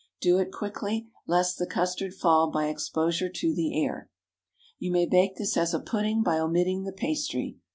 Do it quickly, lest the custard fall by exposure to the air. You may bake this as a pudding by omitting the pastry.